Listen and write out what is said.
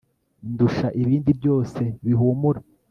ndusha ibindi byose bihumura